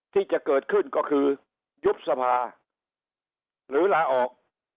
ที่จะเกิดขึ้นก็คือยุบสภาหรือลาออก